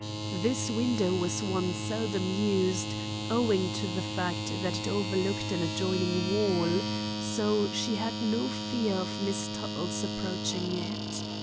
This window was one seldom used, owing to the fact that it overlooked an adjoining wall, so she had no fear of Miss Tuttle's approaching it.